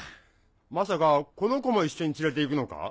まさかこのコも一緒に連れて行くのか？